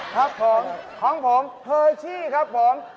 ครับของผมเฮอร์ชี่ครับผม